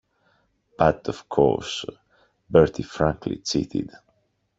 But, of course, Bertie frankly cheated.